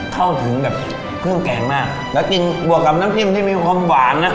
เข้าถึงแบบเครื่องแกงมากแล้วกินบวกกับน้ำจิ้มที่มีความหวานนะ